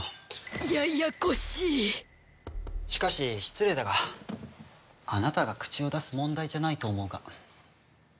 ややこしいしかし失礼だがあなたが口を出す問題じゃないと思うが。